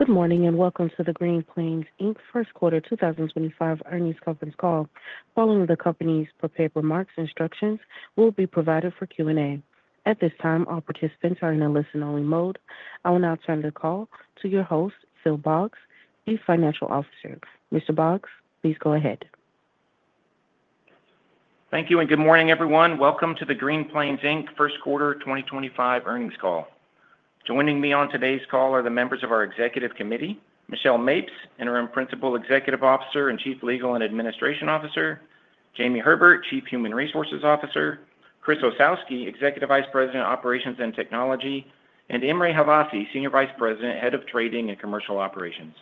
Good morning and welcome to the Green Plains First Quarter 2025 earnings conference call. Following the company's prepared remarks, instructions will be provided for Q&A. At this time, all participants are in a listen-only mode. I will now turn the call to your host, Phil Boggs, the Chief Financial Officer. Mr. Boggs, please go ahead. Thank you and good morning, everyone. Welcome to the Green Plains First Quarter 2025 earnings call. Joining me on today's call are the members of our Executive Committee: Michelle Mapes, Interim Principal Executive Officer and Chief Legal and Administration Officer; Jamie Herbert, Chief Human Resources Officer; Chris Osowski, Executive Vice President, Operations and Technology; and Imre Havasi, Senior Vice President, Head of Trading and Commercial Operations.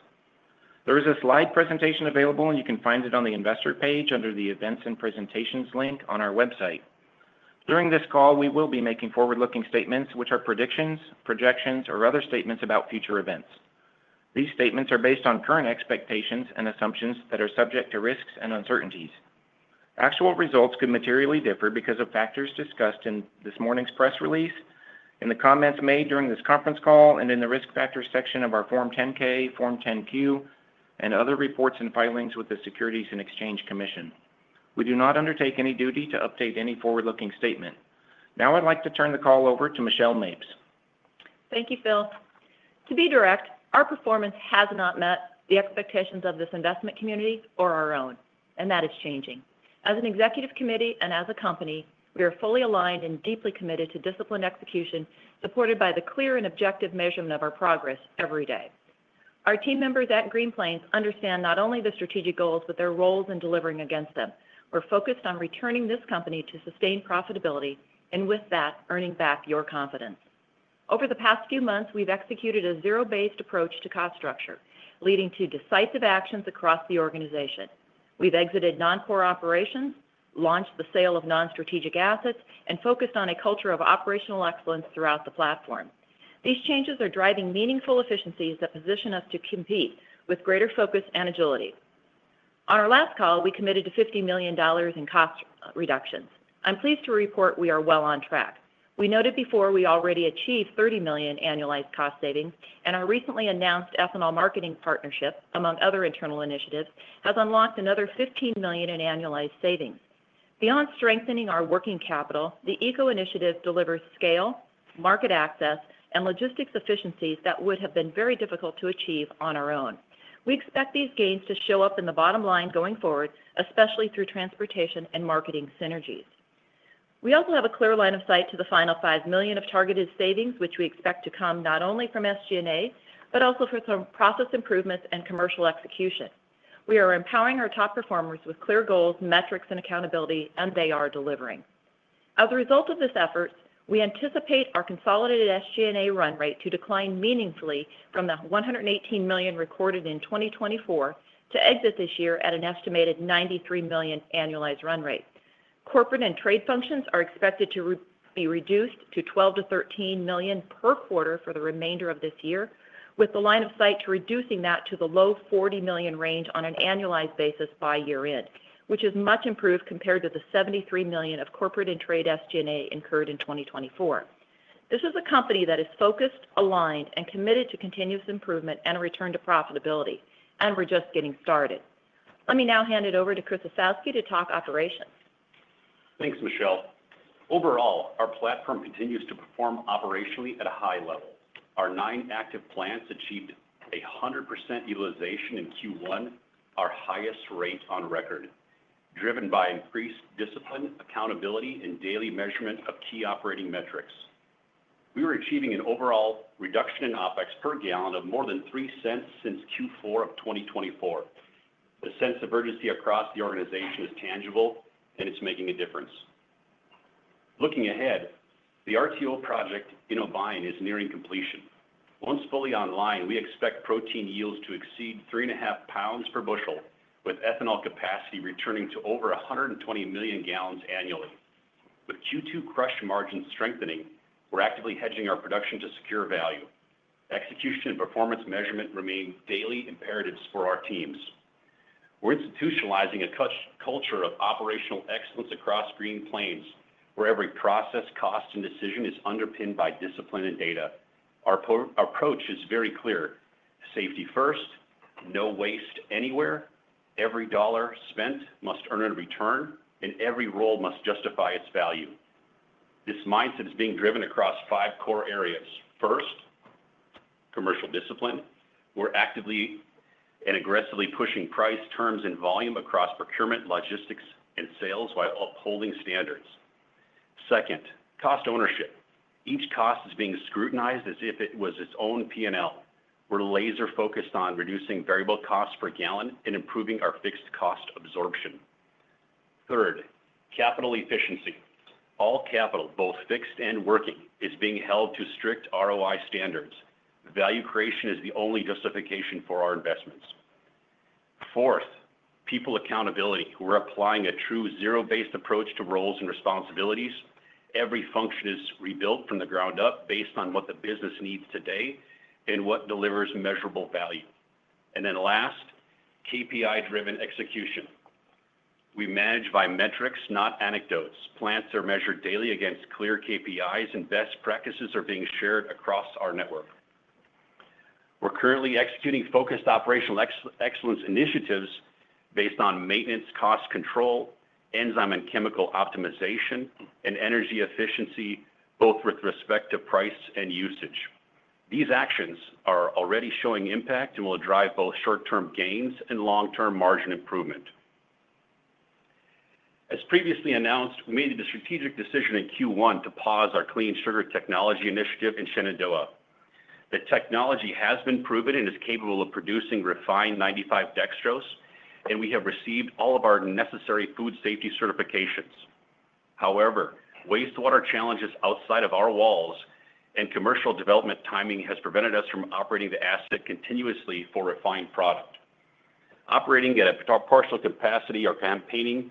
There is a slide presentation available, and you can find it on the investor page under the Events and Presentations link on our website. During this call, we will be making forward-looking statements, which are predictions, projections, or other statements about future events. These statements are based on current expectations and assumptions that are subject to risks and uncertainties. Actual results could materially differ because of factors discussed in this morning's press release, in the comments made during this conference call, and in the risk factors section of our Form 10-K, Form 10-Q, and other reports and filings with the Securities and Exchange Commission. We do not undertake any duty to update any forward-looking statement. Now I'd like to turn the call over to Michelle Mapes. Thank you, Phil. To be direct, our performance has not met the expectations of this investment community or our own, and that is changing. As an Executive Committee and as a company, we are fully aligned and deeply committed to disciplined execution, supported by the clear and objective measurement of our progress every day. Our team members at Green Plains understand not only the strategic goals but their roles in delivering against them. We're focused on returning this company to sustained profitability and, with that, earning back your confidence. Over the past few months, we've executed a zero-based approach to cost structure, leading to decisive actions across the organization. We've exited non-core operations, launched the sale of non-strategic assets, and focused on a culture of operational excellence throughout the platform. These changes are driving meaningful efficiencies that position us to compete with greater focus and agility. On our last call, we committed to $50 million in cost reductions. I'm pleased to report we are well on track. We noted before we already achieved $30 million annualized cost savings, and our recently announced ethanol marketing partnership, among other internal initiatives, has unlocked another $15 million in annualized savings. Beyond strengthening our working capital, the EcoEnergy initiative delivers scale, market access, and logistics efficiencies that would have been very difficult to achieve on our own. We expect these gains to show up in the bottom line going forward, especially through transportation and marketing synergies. We also have a clear line of sight to the final $5 million of targeted savings, which we expect to come not only from SG&A but also from process improvements and commercial execution. We are empowering our top performers with clear goals, metrics, and accountability, and they are delivering. As a result of this effort, we anticipate our consolidated SG&A run rate to decline meaningfully from the $118 million recorded in 2024 to exit this year at an estimated $93 million annualized run rate. Corporate and trade functions are expected to be reduced to $12-$13 million per quarter for the remainder of this year, with the line of sight to reducing that to the low $40 million range on an annualized basis by year-end, which is much improved compared to the $73 million of corporate and trade SG&A incurred in 2024. This is a company that is focused, aligned, and committed to continuous improvement and a return to profitability, and we're just getting started. Let me now hand it over to Chris Osowski to talk operations. Thanks, Michelle. Overall, our platform continues to perform operationally at a high level. Our nine active plants achieved 100% utilization in Q1, our highest rate on record, driven by increased discipline, accountability, and daily measurement of key operating metrics. We are achieving an overall reduction in OPEX per gal of more than $0.03 since Q4 of 2024. The sense of urgency across the organization is tangible, and it's making a difference. Looking ahead, the RTO project in Obi is nearing completion. Once fully online, we expect protein yields to exceed 3.5 lbs per bushel, with ethanol capacity returning to over 120 million gal annually. With Q2 crush margins strengthening, we're actively hedging our production to secure value. Execution and performance measurement remain daily imperatives for our teams. We're institutionalizing a culture of operational excellence across Green Plains, where every process, cost, and decision is underpinned by discipline and data. Our approach is very clear: safety first, no waste anywhere, every dollar spent must earn a return, and every role must justify its value. This mindset is being driven across five core areas. First, commercial discipline. We're actively and aggressively pushing price terms and volume across procurement, logistics, and sales while upholding standards. Second, cost ownership. Each cost is being scrutinized as if it was its own P&L. We're laser-focused on reducing variable costs per gal and improving our fixed cost absorption. Third, capital efficiency. All capital, both fixed and working, is being held to strict ROI standards. Value creation is the only justification for our investments. Fourth, people accountability. We're applying a true zero-based approach to roles and responsibilities. Every function is rebuilt from the ground up based on what the business needs today and what delivers measurable value. Last, KPI-driven execution. We manage by metrics, not anecdotes. Plants are measured daily against clear KPIs, and best practices are being shared across our network. We're currently executing focused operational excellence initiatives based on maintenance, cost control, enzyme and chemical optimization, and energy efficiency, both with respect to price and usage. These actions are already showing impact and will drive both short-term gains and long-term margin improvement. As previously announced, we made the strategic decision in Q1 to pause our Clean Sugar Technology initiative in Shenandoah. The technology has been proven and is capable of producing refined 95 dextrose, and we have received all of our necessary food safety certifications. However, wastewater challenges outside of our walls and commercial development timing have prevented us from operating the asset continuously for refined product. Operating at a partial capacity or campaigning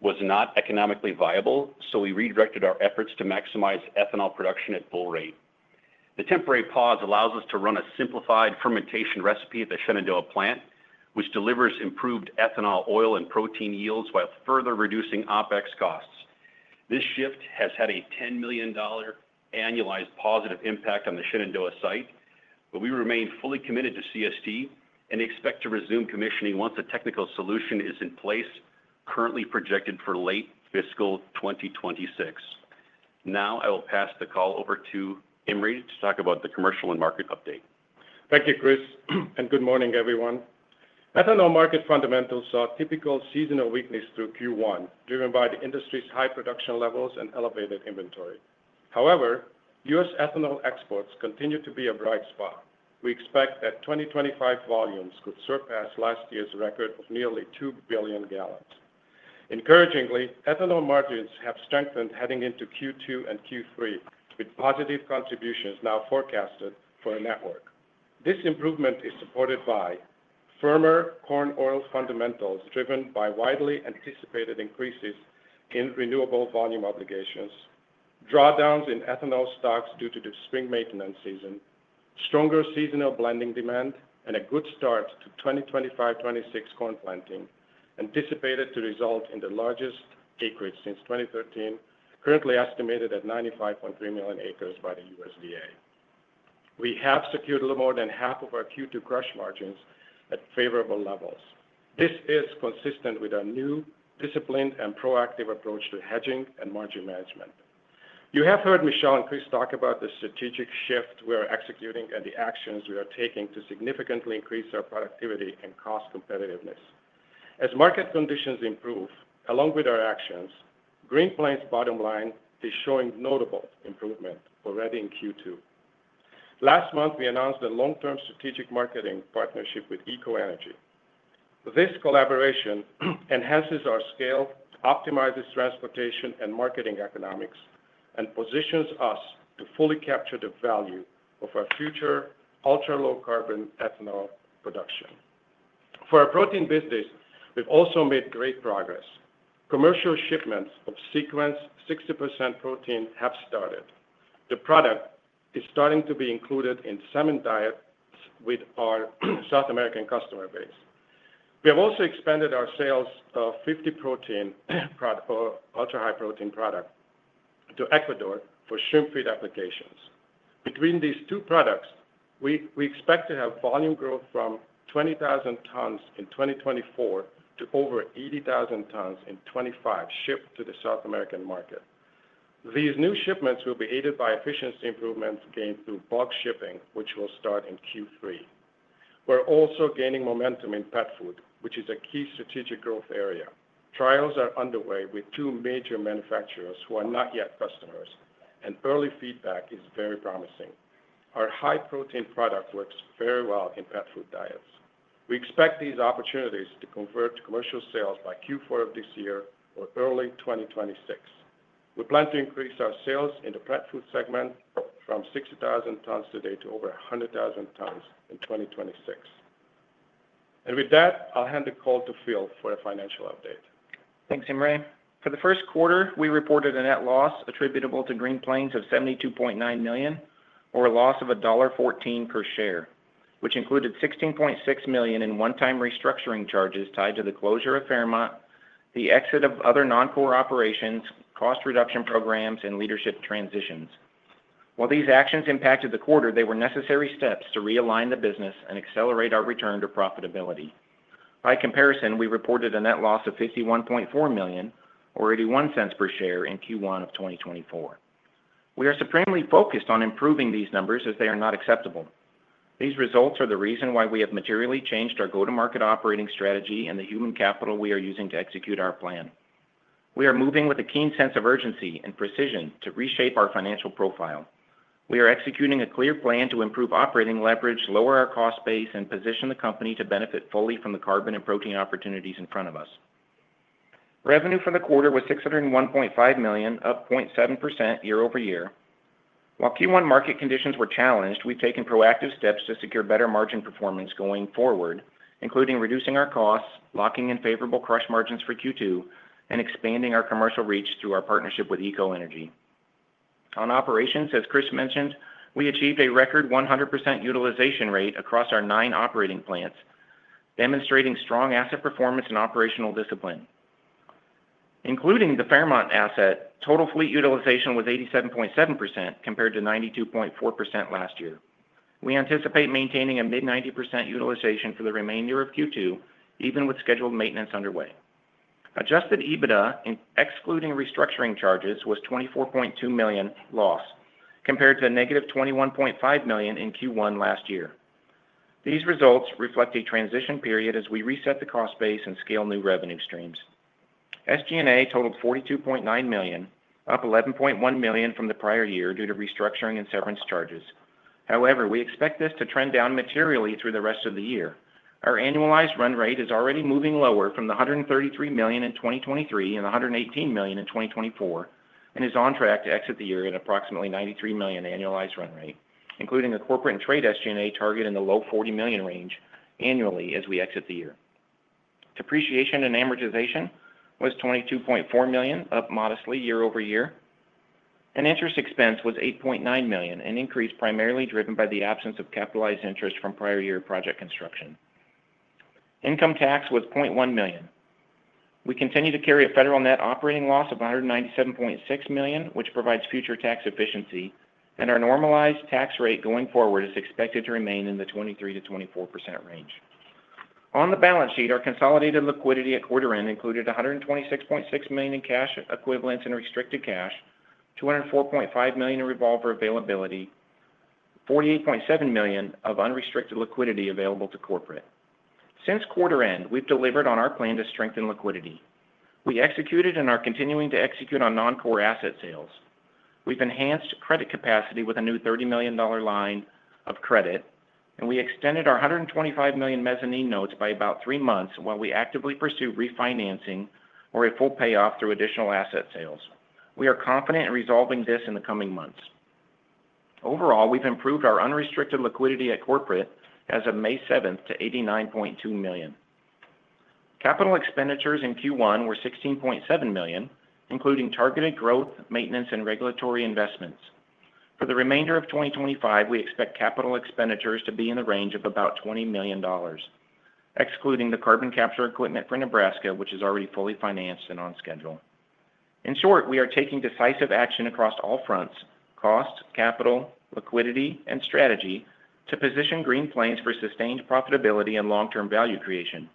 was not economically viable, so we redirected our efforts to maximize ethanol production at full rate. The temporary pause allows us to run a simplified fermentation recipe at the Shenandoah plant, which delivers improved ethanol, oil, and protein yields while further reducing OPEX costs. This shift has had a $10 million annualized positive impact on the Shenandoah site, but we remain fully committed to CST and expect to resume commissioning once a technical solution is in place, currently projected for late fiscal 2026. Now I will pass the call over to Imre to talk about the commercial and market update. Thank you, Chris, and good morning, everyone. Ethanol market fundamentals saw typical seasonal weakness through Q1, driven by the industry's high production levels and elevated inventory. However, U.S. ethanol exports continue to be a bright spot. We expect that 2025 volumes could surpass last year's record of nearly 2 billion gal. Encouragingly, ethanol margins have strengthened heading into Q2 and Q3, with positive contributions now forecasted for our network. This improvement is supported by firmer corn oil fundamentals driven by widely anticipated increases in renewable volume obligations, drawdowns in ethanol stocks due to the spring maintenance season, stronger seasonal blending demand, and a good start to 2025-2026 corn planting, anticipated to result in the largest acreage since 2013, currently estimated at 95.3 million acres by the USDA. We have secured a little more than half of our Q2 crush margins at favorable levels. This is consistent with our new, disciplined, and proactive approach to hedging and margin management. You have heard Michelle and Chris talk about the strategic shift we are executing and the actions we are taking to significantly increase our productivity and cost competitiveness. As market conditions improve, along with our actions, Green Plains' bottom line is showing notable improvement already in Q2. Last month, we announced a long-term strategic marketing partnership with EcoEnergy. This collaboration enhances our scale, optimizes transportation and marketing economics, and positions us to fully capture the value of our future ultra-low-carbon ethanol production. For our protein business, we've also made great progress. Commercial shipments of Sequence 60% protein have started. The product is starting to be included in salmon diets with our South America customer base. We have also expanded our sales of 50 protein ultra-high protein product to Ecuador for shrimp feed applications. Between these two products, we expect to have volume growth from 20,000 tons in 2024 to over 80,000 tons in 2025 shipped to the South American market. These new shipments will be aided by efficiency improvements gained through bulk shipping, which will start in Q3. We are also gaining momentum in pet food, which is a key strategic growth area. Trials are underway with two major manufacturers who are not yet customers, and early feedback is very promising. Our high-protein product works very well in pet food diets. We expect these opportunities to convert to commercial sales by Q4 of this year or early 2026. We plan to increase our sales in the pet food segment from 60,000 tons today to over 100,000 tons in 2026. With that, I will hand the call to Phil for a financial update. Thanks, Imre. For the first quarter, we reported a net loss attributable to Green Plains of $72.9 million, or a loss of $1.14 per share, which included $16.6 million in one-time restructuring charges tied to the closure of Fairmont, the exit of other non-core operations, cost reduction programs, and leadership transitions. While these actions impacted the quarter, they were necessary steps to realign the business and accelerate our return to profitability. By comparison, we reported a net loss of $51.4 million, or $0.81 per share in Q1 of 2024. We are supremely focused on improving these numbers as they are not acceptable. These results are the reason why we have materially changed our go-to-market operating strategy and the human capital we are using to execute our plan. We are moving with a keen sense of urgency and precision to reshape our financial profile. We are executing a clear plan to improve operating leverage, lower our cost base, and position the company to benefit fully from the carbon and protein opportunities in front of us. Revenue for the quarter was $601.5 million, up 0.7% year over year. While Q1 market conditions were challenged, we've taken proactive steps to secure better margin performance going forward, including reducing our costs, locking in favorable crush margins for Q2, and expanding our commercial reach through our partnership with EcoEnergy. On operations, as Chris mentioned, we achieved a record 100% utilization rate across our nine operating plants, demonstrating strong asset performance and operational discipline. Including the Fairmont asset, total fleet utilization was 87.7% compared to 92.4% last year. We anticipate maintaining a mid-90% utilization for the remainder of Q2, even with scheduled maintenance underway. Adjusted EBITDA, excluding restructuring charges, was a $24.2 million loss compared to a negative $21.5 million in Q1 last year. These results reflect a transition period as we reset the cost base and scale new revenue streams. SG&A totaled $42.9 million, up $11.1 million from the prior year due to restructuring and severance charges. However, we expect this to trend down materially through the rest of the year. Our annualized run rate is already moving lower from the $133 million in 2023 and the $118 million in 2024 and is on track to exit the year at approximately $93 million annualized run rate, including a corporate and trade SG&A target in the low $40 million range annually as we exit the year. Depreciation and amortization was $22.4 million, up modestly year over year. Interest expense was $8.9 million, an increase primarily driven by the absence of capitalized interest from prior year project construction. Income tax was $0.1 million. We continue to carry a federal net operating loss of $197.6 million, which provides future tax efficiency, and our normalized tax rate going forward is expected to remain in the 23%-24% range. On the balance sheet, our consolidated liquidity at quarter-end included $126.6 million in cash equivalents and restricted cash, $204.5 million in revolver availability, $48.7 million of unrestricted liquidity available to corporate. Since quarter-end, we have delivered on our plan to strengthen liquidity. We executed and are continuing to execute on non-core asset sales. We have enhanced credit capacity with a new $30 million line of credit, and we extended our $125 million mezzanine notes by about three months while we actively pursue refinancing or a full payoff through additional asset sales. We are confident in resolving this in the coming months. Overall, we've improved our unrestricted liquidity at corporate as of May 7 to $89.2 million. Capital expenditures in Q1 were $16.7 million, including targeted growth, maintenance, and regulatory investments. For the remainder of 2025, we expect capital expenditures to be in the range of about $20 million, excluding the carbon capture equipment for Nebraska, which is already fully financed and on schedule. In short, we are taking decisive action across all fronts: cost, capital, liquidity, and strategy to position Green Plains for sustained profitability and long-term value creation.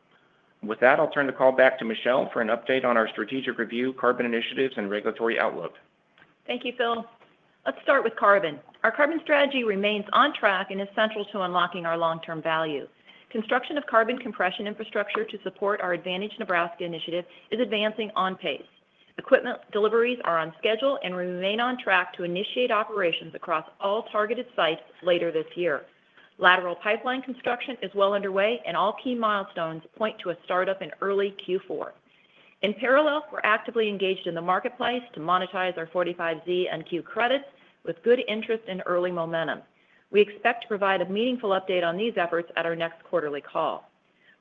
With that, I'll turn the call back to Michelle for an update on our strategic review, carbon initiatives, and regulatory outlook. Thank you, Phil. Let's start with carbon. Our carbon strategy remains on track and is central to unlocking our long-term value. Construction of carbon compression infrastructure to support our Advantage Nebraska initiative is advancing on pace. Equipment deliveries are on schedule and remain on track to initiate operations across all targeted sites later this year. Lateral pipeline construction is well underway, and all key milestones point to a startup in early Q4. In parallel, we're actively engaged in the marketplace to monetize our 45Z and Q credits with good interest and early momentum. We expect to provide a meaningful update on these efforts at our next quarterly call.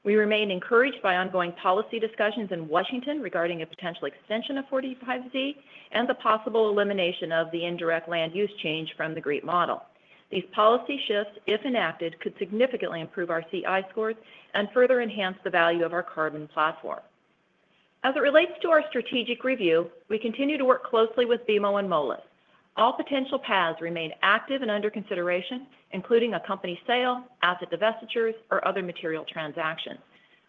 We remain encouraged by ongoing policy discussions in Washington regarding a potential extension of 45Z and the possible elimination of the indirect land use change from the GREAT model. These policy shifts, if enacted, could significantly improve our CI scores and further enhance the value of our carbon platform. As it relates to our strategic review, we continue to work closely with BMO and MOLUS. All potential PAZs remain active and under consideration, including a company sale, asset divestitures, or other material transactions.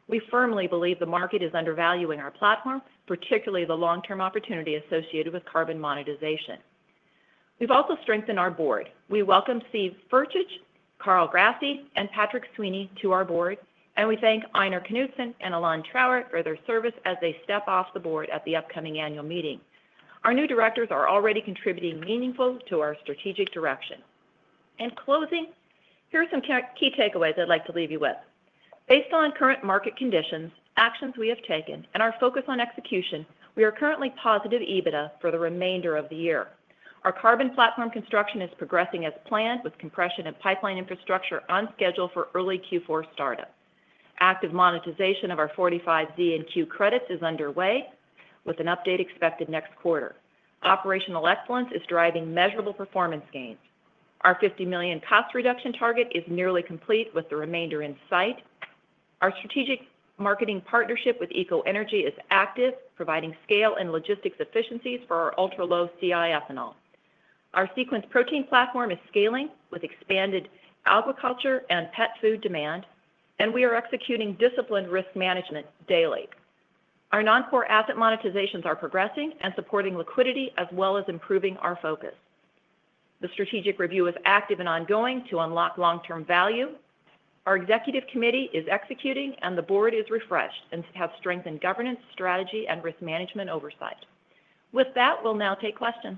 We firmly believe the market is undervaluing our platform, particularly the long-term opportunity associated with carbon monetization. We've also strengthened our board. We welcome Steve Furcich, Carl Grassi, and Patrick Sweeney to our board, and we thank Ejnar Knudsen and Alain Treuer for their service as they step off the board at the upcoming annual meeting. Our new directors are already contributing meaningfully to our strategic direction. In closing, here are some key takeaways I'd like to leave you with. Based on current market conditions, actions we have taken, and our focus on execution, we are currently positive EBITDA for the remainder of the year. Our carbon platform construction is progressing as planned, with compression and pipeline infrastructure on schedule for early Q4 startup. Active monetization of our 45Z and Q credits is underway, with an update expected next quarter. Operational excellence is driving measurable performance gains. Our $50 million cost reduction target is nearly complete, with the remainder in sight. Our strategic marketing partnership with EcoEnergy is active, providing scale and logistics efficiencies for our ultra-low CI ethanol. Our sequence protein platform is scaling with expanded aquaculture and pet food demand, and we are executing disciplined risk management daily. Our non-core asset monetizations are progressing and supporting liquidity as well as improving our focus. The strategic review is active and ongoing to unlock long-term value. Our executive committee is executing, and the board is refreshed and has strengthened governance, strategy, and risk management oversight. With that, we'll now take questions.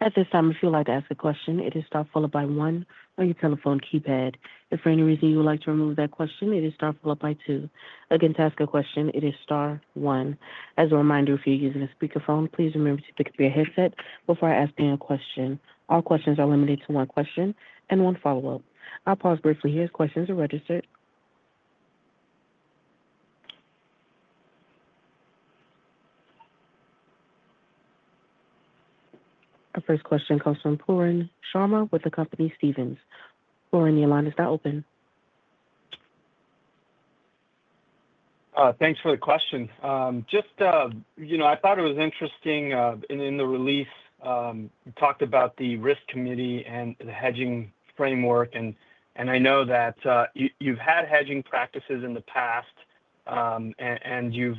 At this time, if you'd like to ask a question, it is star followed by one on your telephone keypad. If for any reason you would like to remove that question, it is star followed by two. Again, to ask a question, it is star one. As a reminder, if you're using a speakerphone, please remember to pick up your headset before I ask you a question. All questions are limited to one question and one follow-up. I'll pause briefly here as questions are registered. Our first question comes from Pooran Sharma with the company Stephens. Pooran, your line is now open. Thanks for the question. Just, you know, I thought it was interesting in the release, you talked about the risk committee and the hedging framework, and I know that you've had hedging practices in the past, and you've,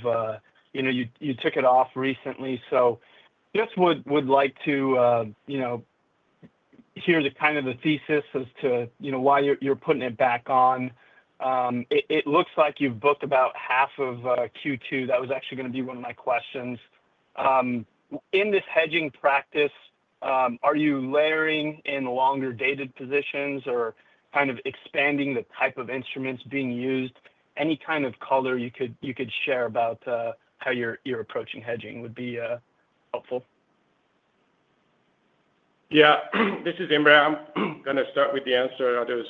you know, you took it off recently. Just would like to, you know, hear the kind of the thesis as to, you know, why you're putting it back on. It looks like you've booked about half of Q2. That was actually going to be one of my questions. In this hedging practice, are you layering in longer dated positions or kind of expanding the type of instruments being used? Any kind of color you could share about how you're approaching hedging would be helpful. Yeah. This is Imre. I'm going to start with the answer, others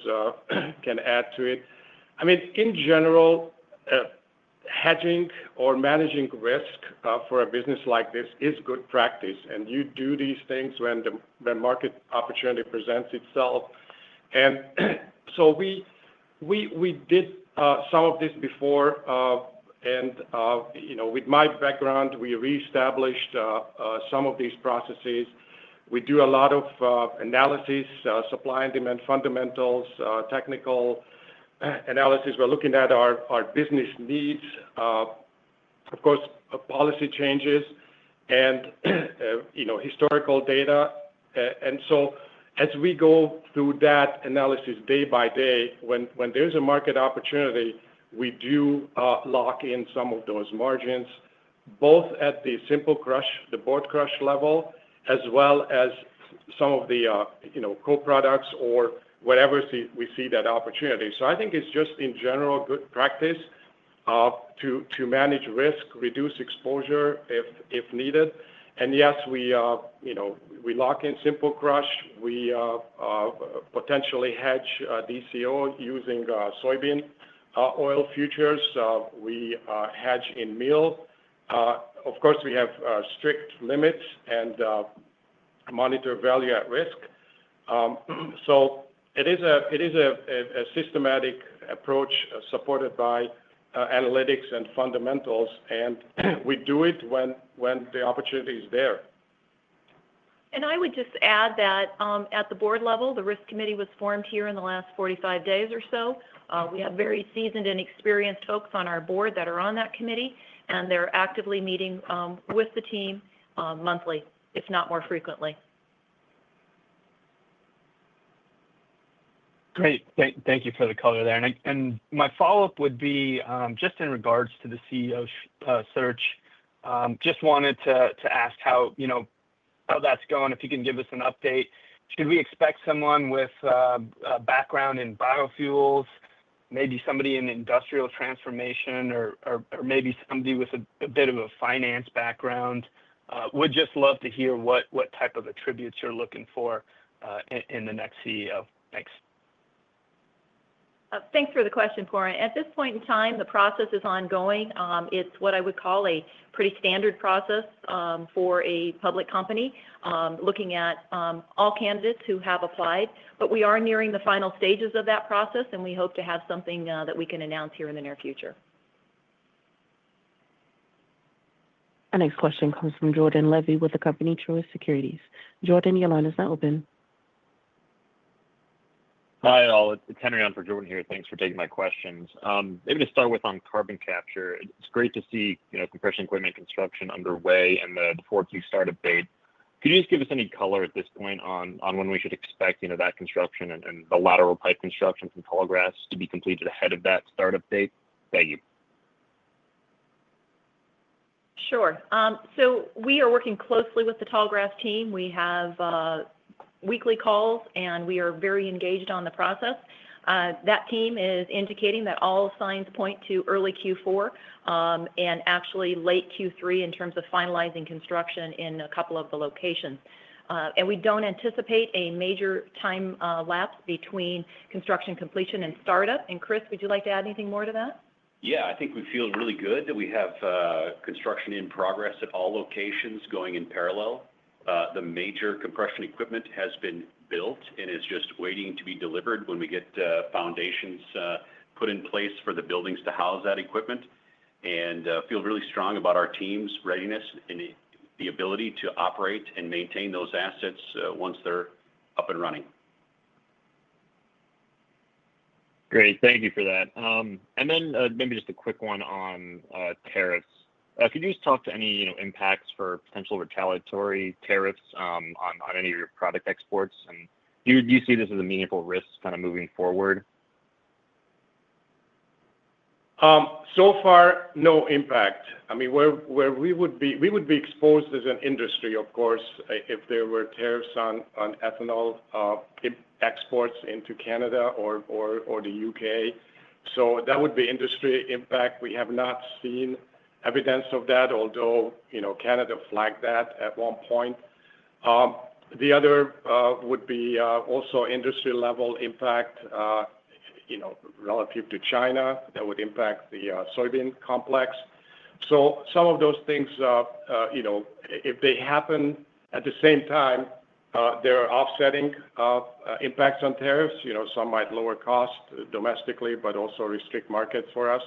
can add to it. I mean, in general, hedging or managing risk for a business like this is good practice, and you do these things when the market opportunity presents itself. You do some of this before, and, you know, with my background, we reestablished some of these processes. We do a lot of analysis, supply and demand fundamentals, technical analysis. We're looking at our business needs, of course, policy changes, and, you know, historical data. As we go through that analysis day by day, when there's a market opportunity, we do lock in some of those margins, both at the simple crush, the board crush level, as well as some of the, you know, co-products or whatever we see that opportunity. I think it's just, in general, good practice to manage risk, reduce exposure if needed. Yes, we, you know, we lock in simple crush. We potentially hedge DCO using soybean oil futures. We hedge in meal. Of course, we have strict limits and monitor value at risk. It is a systematic approach supported by analytics and fundamentals, and we do it when the opportunity is there. I would just add that at the board level, the risk committee was formed here in the last 45 days or so. We have very seasoned and experienced folks on our board that are on that committee, and they're actively meeting with the team monthly, if not more frequently. Great. Thank you for the color there. My follow-up would be just in regards to the CEO search. Just wanted to ask how, you know, how that's going, if you can give us an update. Should we expect someone with a background in biofuels, maybe somebody in industrial transformation, or maybe somebody with a bit of a finance background? Would just love to hear what type of attributes you're looking for in the next CEO. Thanks. Thanks for the question, Pooran. At this point in time, the process is ongoing. It's what I would call a pretty standard process for a public company looking at all candidates who have applied, but we are nearing the final stages of that process, and we hope to have something that we can announce here in the near future. Next question comes from Jordan Levy with the company Truist Securities. Jordan, your line is now open. Hi all. It's Henry on for Jordan here. Thanks for taking my questions. Maybe to start with on carbon capture, it's great to see, you know, compression equipment construction underway and the 4Q startup date. Could you just give us any color at this point on when we should expect, you know, that construction and the lateral pipe construction from Tallgrass to be completed ahead of that startup date? Thank you. Sure. We are working closely with the Tallgrass team. We have weekly calls, and we are very engaged on the process. That team is indicating that all signs point to early Q4 and actually late Q3 in terms of finalizing construction in a couple of the locations. We do not anticipate a major time lapse between construction completion and startup. Chris, would you like to add anything more to that? Yeah. I think we feel really good that we have construction in progress at all locations going in parallel. The major compression equipment has been built and is just waiting to be delivered when we get foundations put in place for the buildings to house that equipment. I feel really strong about our team's readiness and the ability to operate and maintain those assets once they're up and running. Great. Thank you for that. Maybe just a quick one on tariffs. Could you just talk to any, you know, impacts for potential retaliatory tariffs on any of your product exports? Do you see this as a meaningful risk kind of moving forward? So far, no impact. I mean, where we would be exposed as an industry, of course, if there were tariffs on ethanol exports into Canada or the U.K. That would be industry impact. We have not seen evidence of that, although, you know, Canada flagged that at one point. The other would be also industry-level impact, you know, relative to China that would impact the soybean complex. Some of those things, you know, if they happen at the same time, they're offsetting impacts on tariffs. You know, some might lower costs domestically, but also restrict markets for us.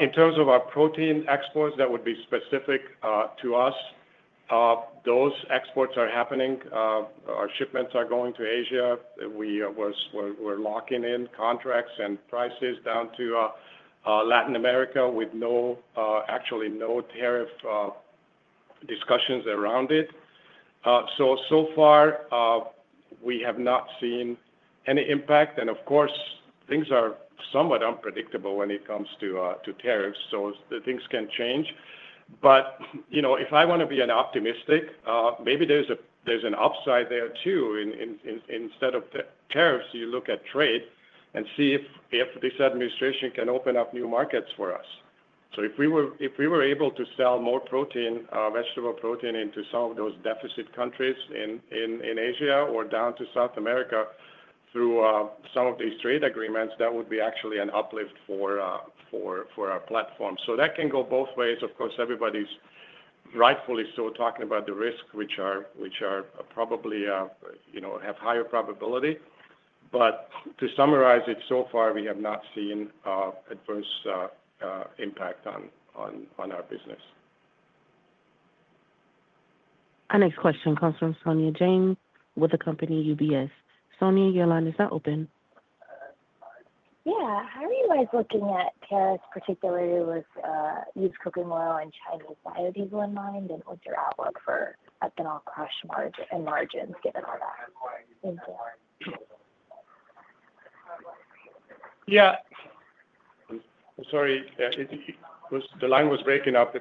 In terms of our protein exports, that would be specific to us. Those exports are happening. Our shipments are going to Asia. We're locking in contracts and prices down to Latin America with actually no tariff discussions around it. So far, we have not seen any impact. Of course, things are somewhat unpredictable when it comes to tariffs, so things can change. But, you know, if I want to be optimistic, maybe there is an upside there too. Instead of tariffs, you look at trade and see if this administration can open up new markets for us. If we were able to sell more protein, vegetable protein, into some of those deficit countries in Asia or down to South America through some of these trade agreements, that would be actually an uplift for our platform. That can go both ways. Of course, everybody is rightfully so talking about the risks, which are probably, you know, have higher probability. To summarize it, so far, we have not seen adverse impact on our business. Next question comes from Saumya Jain with UBS. Saumya, your line is now open. Yeah. How are you guys looking at tariffs, particularly with used cooking oil and Chinese biodiesel in mind, and what's your outlook for ethanol crush and margins given all that? Thank you. Yeah. I'm sorry. The line was breaking up.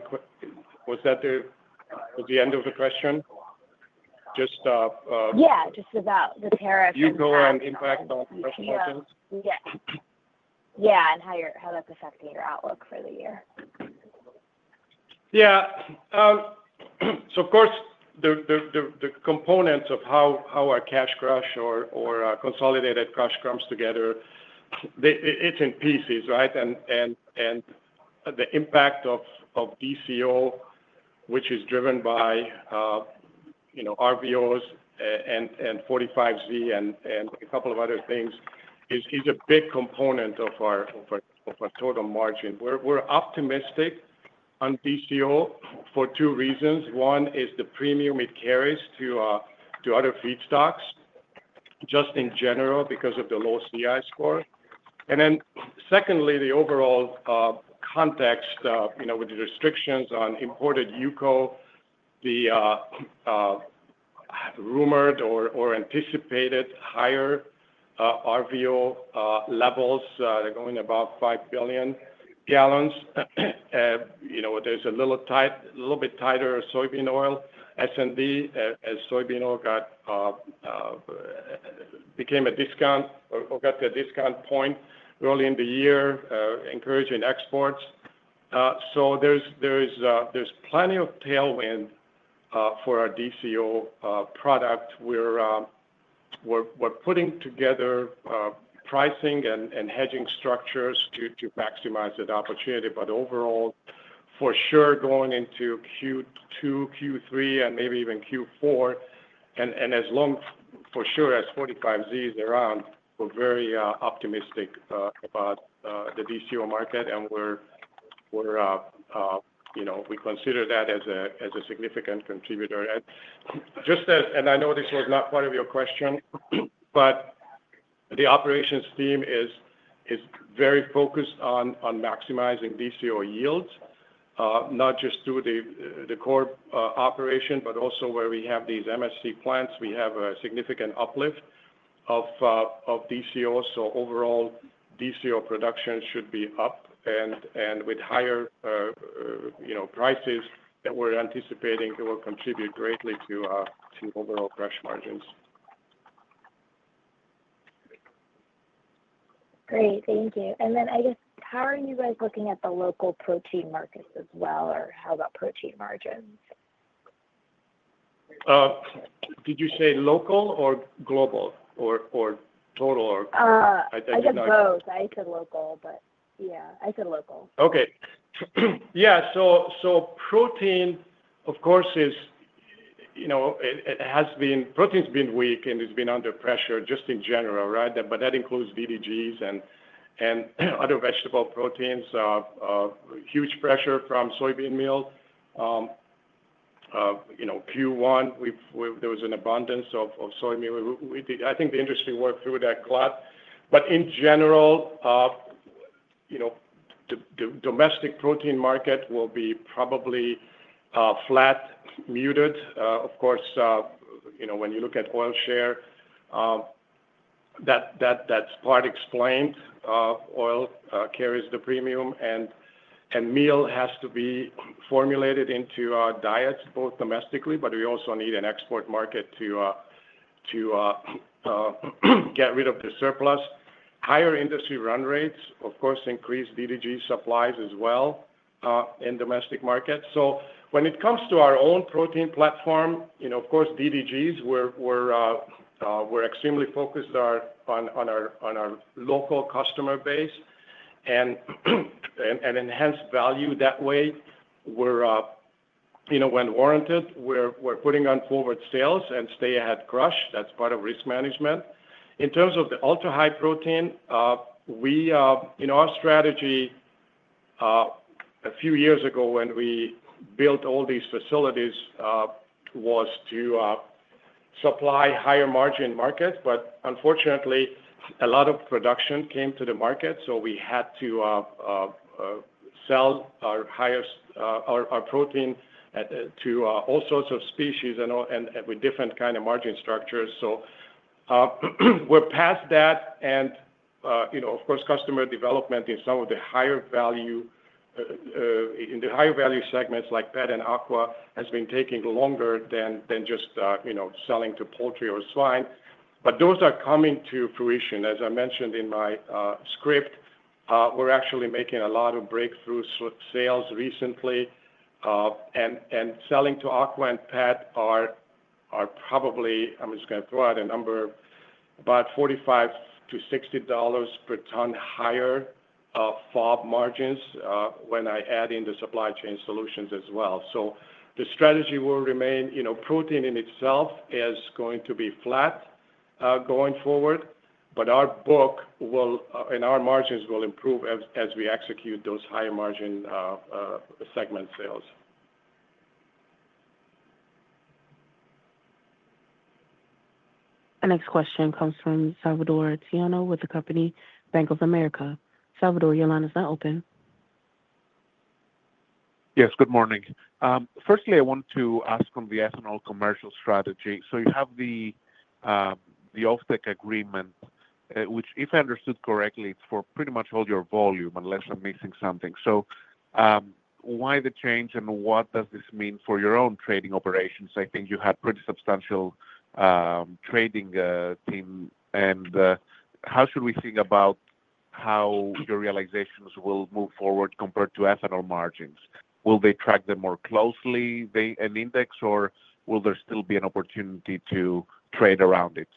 Was that the end of the question? Just. Yeah. Just about the tariffs. UCO and impact on compression margins? Yeah. Yeah. How that's affecting your outlook for the year. Yeah. Of course, the components of how our cash crush or consolidated crush comes together, it is in pieces, right? The impact of DCO, which is driven by, you know, RVOs and 45Z and a couple of other things, is a big component of our total margin. We are optimistic on DCO for two reasons. One is the premium it carries to other feedstocks, just in general, because of the low CI score. Secondly, the overall context, you know, with the restrictions on imported UCO, the rumored or anticipated higher RVO levels, they are going about 5 billion gal. There is a little bit tighter soybean oil. S&D, as soybean oil became a discount or got the discount point early in the year, encouraging exports. There is plenty of tailwind for our DCO product. We are putting together pricing and hedging structures to maximize that opportunity. Overall, for sure, going into Q2, Q3, and maybe even Q4, and as long for sure as 45Z is around, we're very optimistic about the DCO market, and we're, you know, we consider that as a significant contributor. Just as, and I know this was not part of your question, but the operations team is very focused on maximizing DCO yields, not just through the core operation, but also where we have these MSC plants, we have a significant uplift of DCO. Overall, DCO production should be up, and with higher, you know, prices that we're anticipating, it will contribute greatly to overall crush margins. Great. Thank you. I guess, how are you guys looking at the local protein markets as well, or how about protein margins? Did you say local or global or total or? I said both. I said local, but yeah, I said local. Okay. Yeah. So protein, of course, is, you know, it has been, protein's been weak and it's been under pressure just in general, right? That includes VDGs and other vegetable proteins, huge pressure from soybean meal. You know, Q1, there was an abundance of soybean. I think the industry worked through that clot. In general, you know, the domestic protein market will be probably flat, muted. Of course, you know, when you look at oil share, that's part explained. Oil carries the premium, and meal has to be formulated into our diets, both domestically, but we also need an export market to get rid of the surplus. Higher industry run rates, of course, increase VDG supplies as well in domestic markets. When it comes to our own protein platform, you know, of course, VDGs, we're extremely focused on our local customer base and enhance value that way. We're, you know, when warranted, we're putting on forward sales and stay ahead crush. That's part of risk management. In terms of the ultra-high protein, we, in our strategy, a few years ago when we built all these facilities, was to supply higher margin markets. Unfortunately, a lot of production came to the market, so we had to sell our protein to all sorts of species and with different kinds of margin structures. We're past that. You know, of course, customer development in some of the higher value, in the higher value segments like pet and aqua has been taking longer than just, you know, selling to poultry or swine. Those are coming to fruition. As I mentioned in my script, we're actually making a lot of breakthrough sales recently. Selling to AQUA and PET are probably, I am just going to throw out a number, about $45-$60 per ton higher FOB margins when I add in the supply chain solutions as well. The strategy will remain, you know, protein in itself is going to be flat going forward, but our book will, and our margins will improve as we execute those higher margin segment sales. Next question comes from Salvator Tiano with Bank of America. Salvator, your line is now open. Yes. Good morning. Firstly, I want to ask from the ethanol commercial strategy. You have the OFTEC agreement, which, if I understood correctly, is for pretty much all your volume, unless I'm missing something. Why the change and what does this mean for your own trading operations? I think you had a pretty substantial trading team. How should we think about how your realizations will move forward compared to ethanol margins? Will they track them more closely, an index, or will there still be an opportunity to trade around it?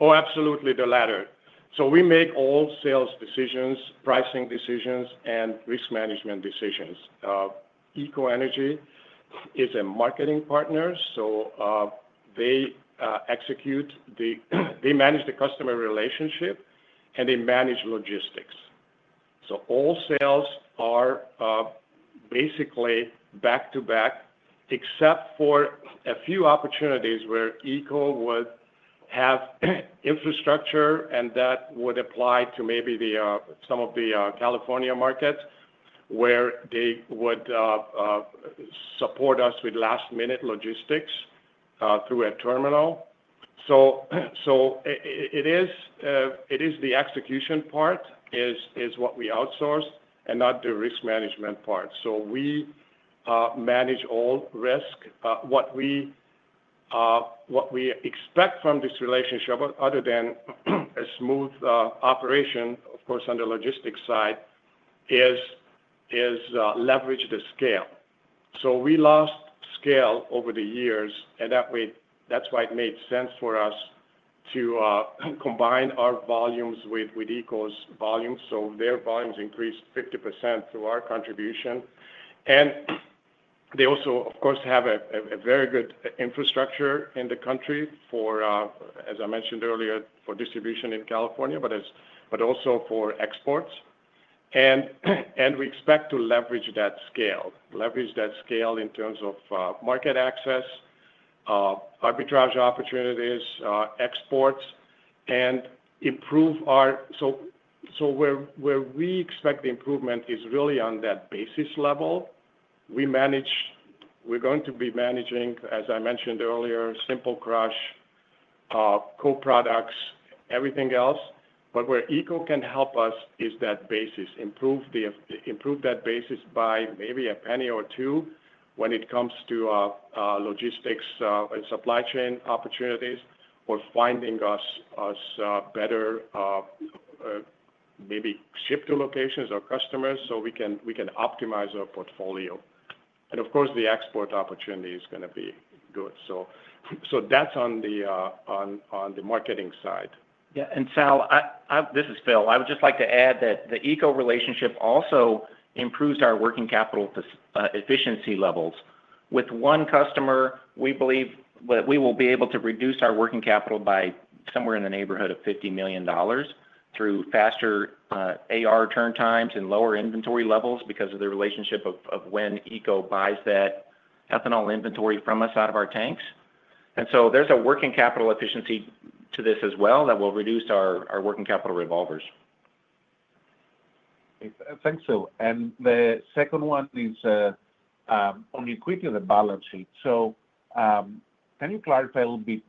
Oh, absolutely, the latter. We make all sales decisions, pricing decisions, and risk management decisions. EcoEnergy is a marketing partner, so they execute, they manage the customer relationship, and they manage logistics. All sales are basically back to back, except for a few opportunities where Eco would have infrastructure, and that would apply to maybe some of the California markets where they would support us with last minute logistics through a terminal. It is the execution part that we outsource and not the risk management part. We manage all risk. What we expect from this relationship, other than a smooth operation, of course, on the logistics side, is leverage the scale. We lost scale over the years, and that is why it made sense for us to combine our volumes with Eco's volumes. Their volumes increased 50% through our contribution. They also, of course, have a very good infrastructure in the country for, as I mentioned earlier, for distribution in California, but also for exports. We expect to leverage that scale, leverage that scale in terms of market access, arbitrage opportunities, exports, and improve our. Where we expect the improvement is really on that basis level. We manage, we are going to be managing, as I mentioned earlier, simple crush, co-products, everything else. Where Eco can help us is that basis, improve that basis by maybe a penny or two when it comes to logistics and supply chain opportunities or finding us better maybe ship-to locations or customers so we can optimize our portfolio. Of course, the export opportunity is going to be good. That is on the marketing side. Yeah. Sal, this is Phil. I would just like to add that the Eco relationship also improves our working capital efficiency levels. With one customer, we believe that we will be able to reduce our working capital by somewhere in the neighborhood of $50 million through faster AR turn times and lower inventory levels because of the relationship of when Eco buys that ethanol inventory from us out of our tanks. There is a working capital efficiency to this as well that will reduce our working capital revolvers. Thanks, Phil. The second one is on liquidity on the balance sheet. Can you clarify a little bit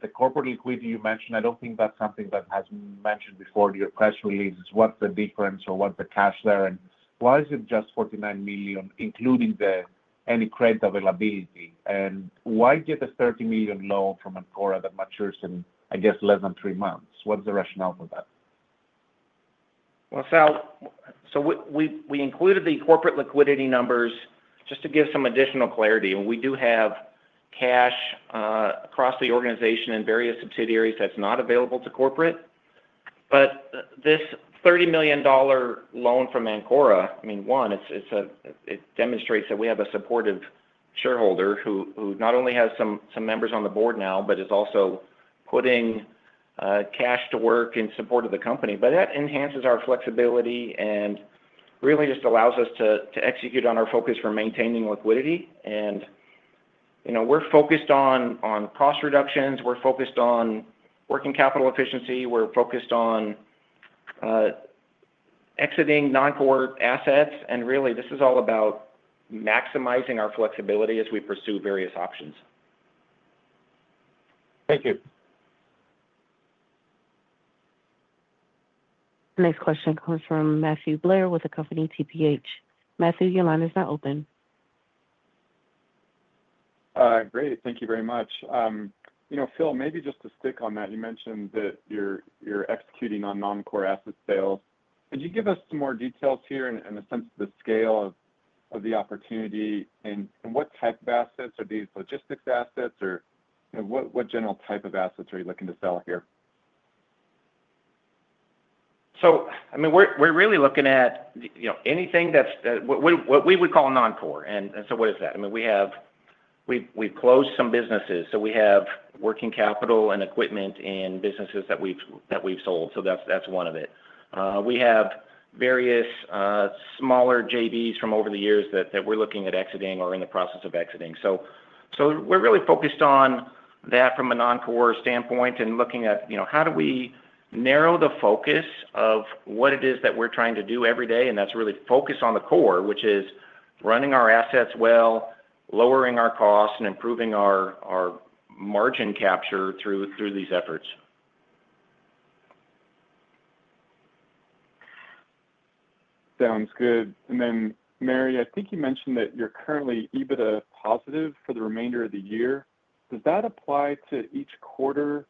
the corporate liquidity you mentioned? I do not think that is something that has been mentioned before in your press releases. What is the difference or what is the cash there? Why is it just $49 million, including any credit availability? Why get a $30 million loan from Ancora that matures in, I guess, less than three months? What is the rationale for that? Sal, we included the corporate liquidity numbers just to give some additional clarity. We do have cash across the organization in various subsidiaries that is not available to corporate. This $30 million loan from Ancora, I mean, one, it demonstrates that we have a supportive shareholder who not only has some members on the board now, but is also putting cash to work in support of the company. That enhances our flexibility and really just allows us to execute on our focus for maintaining liquidity. You know, we are focused on cost reductions. We are focused on working capital efficiency. We are focused on exiting non-core assets. Really, this is all about maximizing our flexibility as we pursue various options. Thank you. Next question comes from Matthew Blair with the company TPH. Matthew, your line is now open. Great. Thank you very much. You know, Phil, maybe just to stick on that, you mentioned that you're executing on non-core asset sales. Could you give us some more details here and a sense of the scale of the opportunity? What type of assets? Are these logistics assets? Or what general type of assets are you looking to sell here? I mean, we're really looking at, you know, anything that's what we would call non-core. And so what is that? I mean, we have closed some businesses. We have working capital and equipment in businesses that we've sold. That's one of it. We have various smaller JVs from over the years that we're looking at exiting or in the process of exiting. We're really focused on that from a non-core standpoint and looking at, you know, how do we narrow the focus of what it is that we're trying to do every day. That's really focused on the core, which is running our assets well, lowering our costs, and improving our margin capture through these efforts. Sounds good. Mary, I think you mentioned that you're currently EBITDA positive for the remainder of the year. Does that apply to each quarter?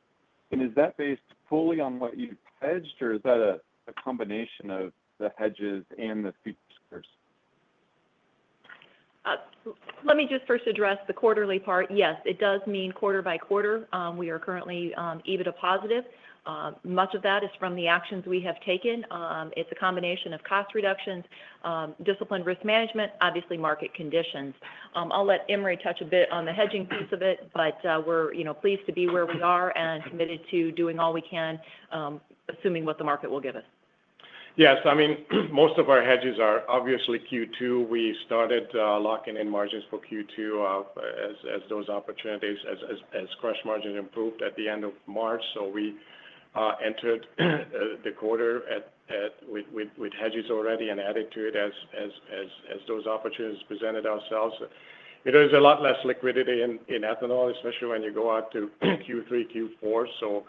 Is that based fully on what you've hedged, or is that a combination of the hedges and the futures? Let me just first address the quarterly part. Yes, it does mean quarter by quarter. We are currently EBITDA positive. Much of that is from the actions we have taken. It's a combination of cost reductions, disciplined risk management, obviously market conditions. I'll let Imre touch a bit on the hedging piece of it, but we're, you know, pleased to be where we are and committed to doing all we can, assuming what the market will give us. Yes. I mean, most of our hedges are obviously Q2. We started locking in margins for Q2 as those opportunities, as crush margins improved at the end of March. We entered the quarter with hedges already and added to it as those opportunities presented themselves. There is a lot less liquidity in ethanol, especially when you go out to Q3, Q4.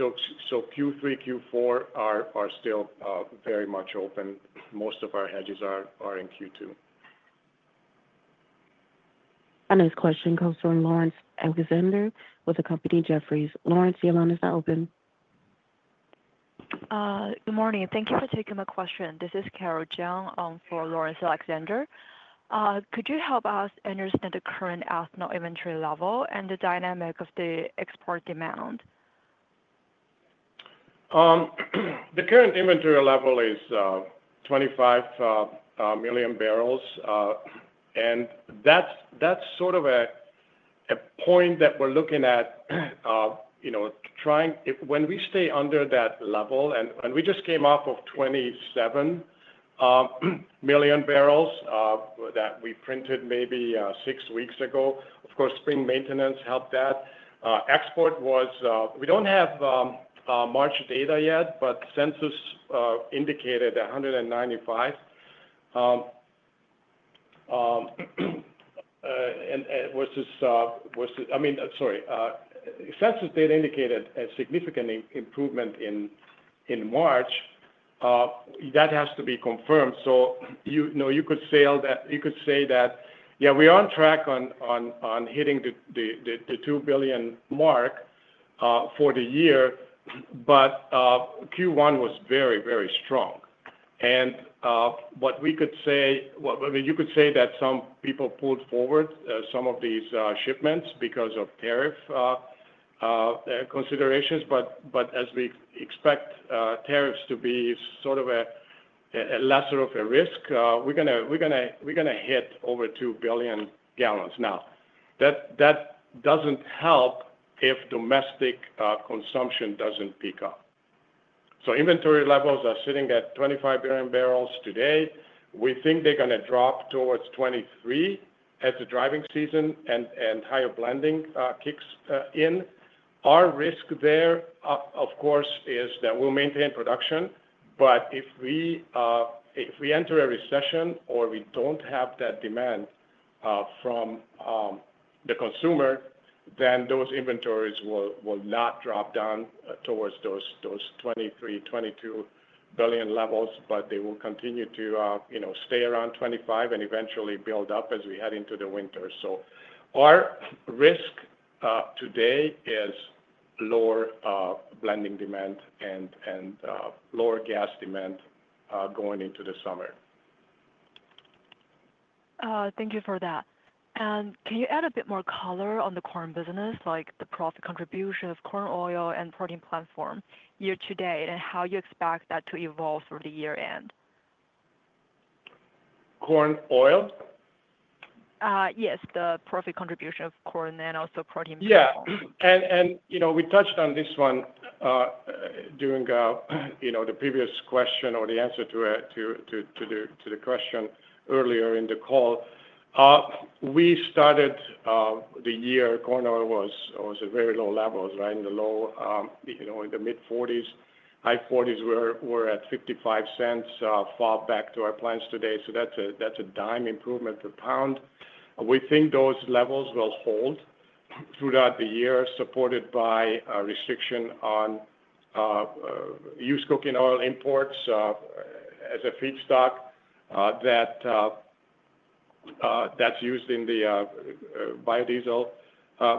Q3, Q4 are still very much open. Most of our hedges are in Q2. Next question comes from Laurence Alexander with Jefferies. Lawrence, your line is now open. Good morning. Thank you for taking my question. This is Carol Jiang for Laurence Alexander. Could you help us understand the current ethanol inventory level and the dynamic of the export demand? The current inventory level is 25 million bbl. That is sort of a point that we are looking at, you know, trying when we stay under that level, and we just came off of 27 million bbl that we printed maybe six weeks ago. Of course, spring maintenance helped that. Export was, we do not have March data yet, but census indicated 195 versus, I mean, sorry, census data indicated a significant improvement in March. That has to be confirmed. You know, you could say that, yeah, we are on track on hitting the 2 billion mark for the year, but Q1 was very, very strong. What we could say, I mean, you could say that some people pulled forward some of these shipments because of tariff considerations. As we expect tariffs to be sort of a lesser of a risk, we are going to hit over 2 billion gal. Now, that does not help if domestic consumption does not pick up. Inventory levels are sitting at 25 billion bbl today. We think they are going to drop towards 23 as the driving season and higher blending kicks in. Our risk there, of course, is that we will maintain production. If we enter a recession or we do not have that demand from the consumer, then those inventories will not drop down towards those 23-22 billion levels, they will continue to, you know, stay around 25 and eventually build up as we head into the winter. Our risk today is lower blending demand and lower gas demand going into the summer. Thank you for that. Can you add a bit more color on the corn business, like the profit contribution of corn oil and protein platform year to date and how you expect that to evolve through the year end? Corn oil? Yes, the profit contribution of corn and also protein platform. Yeah. And, you know, we touched on this one during, you know, the previous question or the answer to the question earlier in the call. We started the year, corn oil was at very low levels, right? In the low, you know, in the mid-40s, high 40s were at $0.55 far back to our plans today. So that's a dime improvement per pound. We think those levels will hold throughout the year, supported by restriction on used cooking oil imports as a feedstock that's used in the biodiesel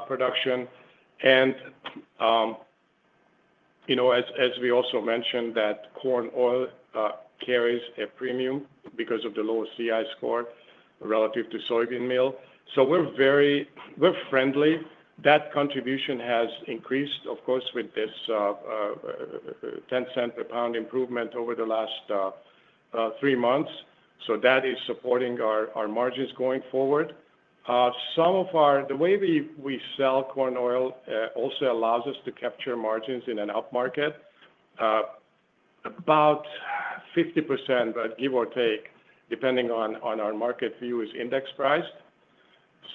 production. And, you know, as we also mentioned, that corn oil carries a premium because of the lower CI score relative to soybean meal. So we're very, we're friendly. That contribution has increased, of course, with this $0.10 per lbs improvement over the last three months. So that is supporting our margins going forward. Some of our, the way we sell corn oil also allows us to capture margins in an up market. About 50%, but give or take, depending on our market view, is index priced.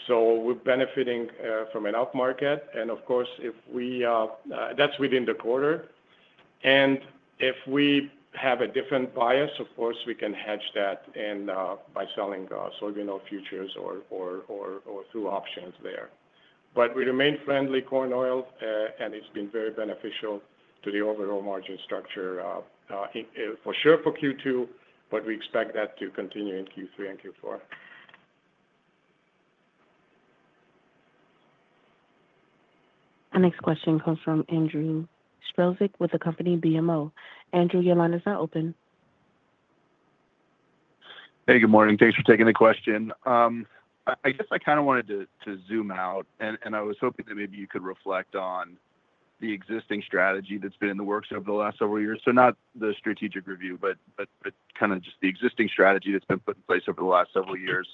So we're benefiting from an up market. Of course, if we, that's within the quarter. If we have a different bias, of course, we can hedge that by selling soybean oil futures or through options there. We remain friendly corn oil, and it's been very beneficial to the overall margin structure for sure for Q2, but we expect that to continue in Q3 and Q4. Next question comes from Andrew Strelzik with BMO. Andrew, your line is now open. Hey, good morning. Thanks for taking the question. I guess I kind of wanted to zoom out, and I was hoping that maybe you could reflect on the existing strategy that's been in the works over the last several years. Not the strategic review, but kind of just the existing strategy that's been put in place over the last several years.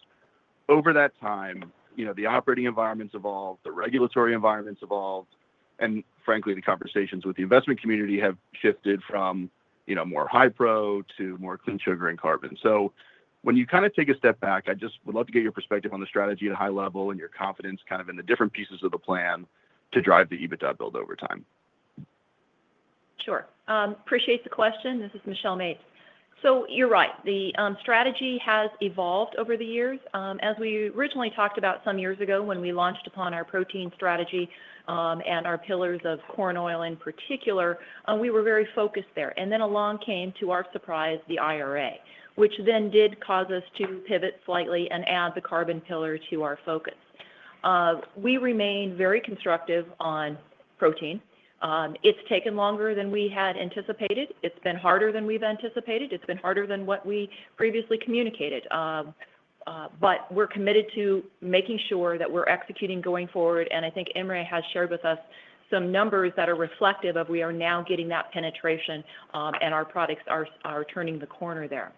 Over that time, you know, the operating environment's evolved, the regulatory environment's evolved, and frankly, the conversations with the investment community have shifted from, you know, more high pro to more clean sugar and carbon. When you kind of take a step back, I just would love to get your perspective on the strategy at a high level and your confidence kind of in the different pieces of the plan to drive the EBITDA build over time. Sure. Appreciate the question. This is Michelle Mapes. You're right. The strategy has evolved over the years. As we originally talked about some years ago when we launched upon our protein strategy and our pillars of corn oil in particular, we were very focused there. Along came, to our surprise, the IRA, which then did cause us to pivot slightly and add the carbon pillar to our focus. We remain very constructive on protein. It's taken longer than we had anticipated. It's been harder than we anticipated. It's been harder than what we previously communicated. We're committed to making sure that we're executing going forward. I think Imre has shared with us some numbers that are reflective of we are now getting that penetration, and our products are turning the corner there.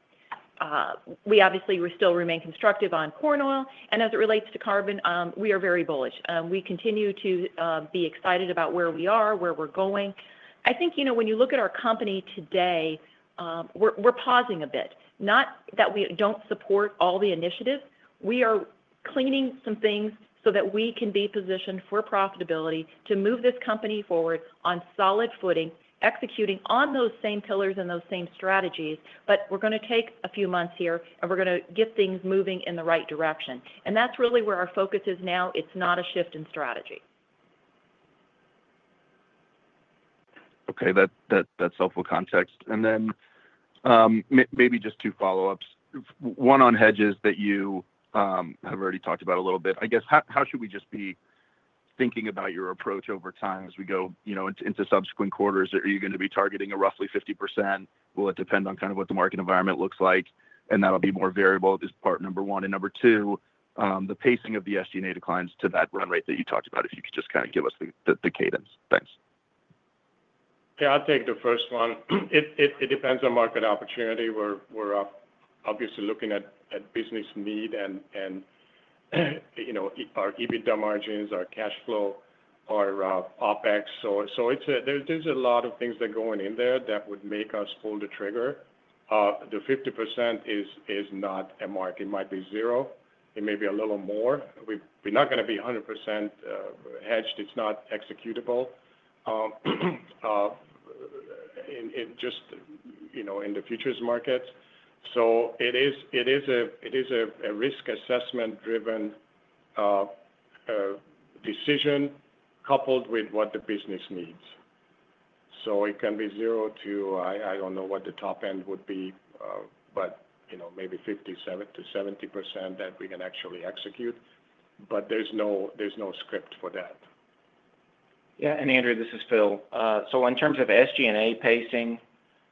We obviously still remain constructive on corn oil. As it relates to carbon, we are very bullish. We continue to be excited about where we are, where we're going. I think, you know, when you look at our company today, we're pausing a bit. Not that we do not support all the initiatives. We are cleaning some things so that we can be positioned for profitability to move this company forward on solid footing, executing on those same pillars and those same strategies. We are going to take a few months here, and we are going to get things moving in the right direction. That is really where our focus is now. It is not a shift in strategy. Okay. That's helpful context. Maybe just two follow-ups. One on hedges that you have already talked about a little bit. I guess, how should we just be thinking about your approach over time as we go, you know, into subsequent quarters? Are you going to be targeting a roughly 50%? Will it depend on kind of what the market environment looks like? That will be more variable is part number one. Number two, the pacing of the SG&A declines to that run rate that you talked about. If you could just kind of give us the cadence. Thanks. Yeah, I'll take the first one. It depends on market opportunity. We're obviously looking at business need and, you know, our EBITDA margins, our cash flow, our OPEX. There are a lot of things that are going in there that would make us pull the trigger. The 50% is not a mark. It might be zero. It may be a little more. We're not going to be 100% hedged. It's not executable just, you know, in the futures markets. It is a risk assessment-driven decision coupled with what the business needs. It can be zero to, I do not know what the top end would be, but, you know, maybe 50-70% that we can actually execute. There is no script for that. Yeah. Andrew, this is Phil. In terms of SG&A pacing,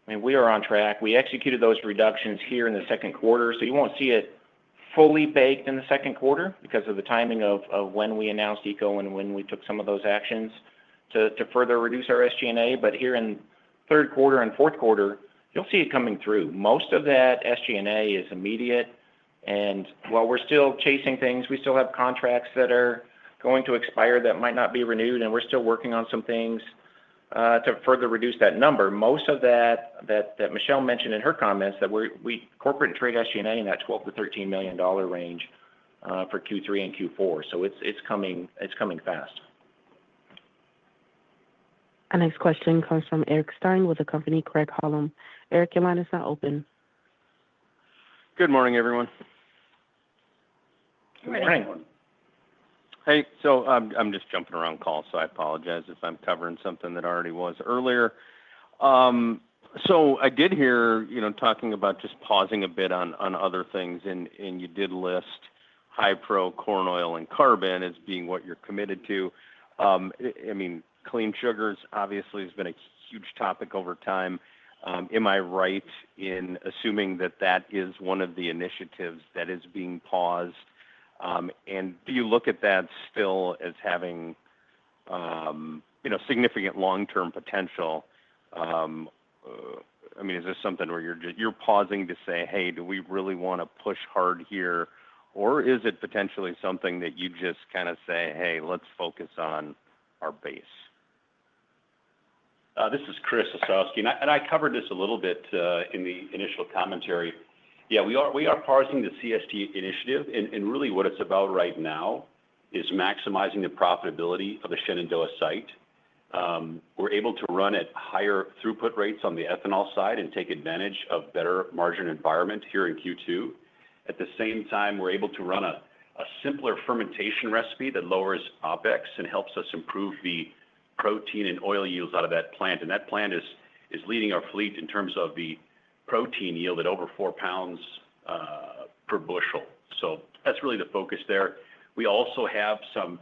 I mean, we are on track. We executed those reductions here in the second quarter. You will not see it fully baked in the second quarter because of the timing of when we announced EcoEnergy and when we took some of those actions to further reduce our SG&A. Here in third quarter and fourth quarter, you will see it coming through. Most of that SG&A is immediate. While we are still chasing things, we still have contracts that are going to expire that might not be renewed. We are still working on some things to further reduce that number. Most of that, Michelle mentioned in her comments, that we corporate and trade SG&A in that $12 million-$13 million range for Q3 and Q4. It is coming fast. Next question comes from Eric Stine with Craig-Hallum. Eric, your line is now open. Good morning, everyone. Good morning. Hey. I'm just jumping around calls, so I apologize if I'm covering something that already was earlier. I did hear, you know, talking about just pausing a bit on other things. You did list high pro corn oil and carbon as being what you're committed to. I mean, clean sugars obviously has been a huge topic over time. Am I right in assuming that that is one of the initiatives that is being paused? Do you look at that still as having, you know, significant long-term potential? I mean, is this something where you're pausing to say, "Hey, do we really want to push hard here?" Or is it potentially something that you just kind of say, "Hey, let's focus on our base"? This is Chris Osowski. I covered this a little bit in the initial commentary. Yeah, we are pausing the CST initiative. Really what it's about right now is maximizing the profitability of the Shenandoah site. We're able to run at higher throughput rates on the ethanol side and take advantage of a better margin environment here in Q2. At the same time, we're able to run a simpler fermentation recipe that lowers OPEX and helps us improve the protein and oil yields out of that plant. That plant is leading our fleet in terms of the protein yield at over 4 lbs per bushel. That's really the focus there. We also have some